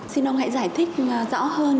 xin ông hãy giải thích rõ hơn